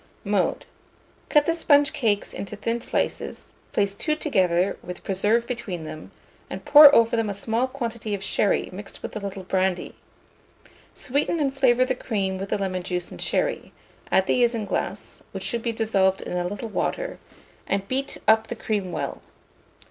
Mode. Cut the sponge cakes into thin slices; place two together, with preserve between them, and pour over them a small quantity of sherry mixed with a little brandy. Sweeten and flavour the cream with the lemon juice and sherry; add the isinglass, which should be dissolved in a little water, and beat up the cream well.